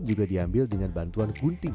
juga diambil dengan bantuan gunting